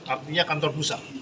artinya kantor pusat